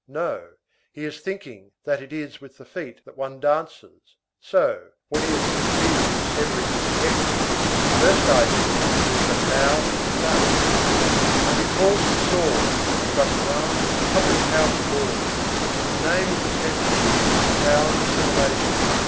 No; he is thinking that it is with the feet that one dances; so, when he has succeeded in severing his fetters, his first idea is that now he can dance, and he calls the saw the bastringue (public house ball).—A name is a centre; profound assimilation.